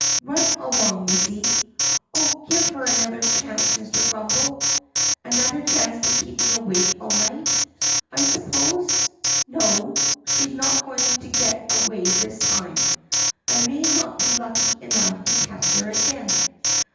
"Run along, missy!" "Oh, give her another chance, Mr. Grummbel!" "Another chance to keep me awake all night, I suppose? No, she 's not going to get away this time. I may not be lucky enough to catch her again."